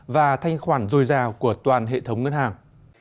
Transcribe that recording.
và thanh khoản dồi dào của toàn hệ thống ngân hàng